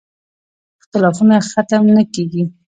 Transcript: اختلافونه ختم نه کېږي.